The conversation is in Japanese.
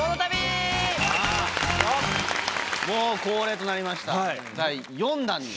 もう恒例となりました第４弾に。